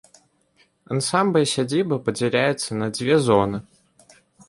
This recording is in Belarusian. Ансамбль сядзібы падзяляецца на дзве зоны.